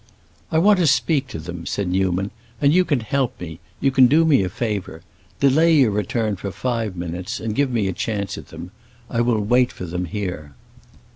"I want to speak to them," said Newman; "and you can help me, you can do me a favor. Delay your return for five minutes and give me a chance at them. I will wait for them here."